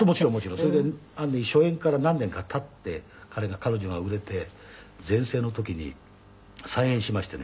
それで『アンネ』初演から何年か経って彼女が売れて全盛の時に再演しましてね。